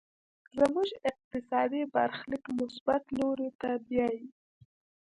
زموږ اقتصادي برخليک مثبت لوري ته بيايي.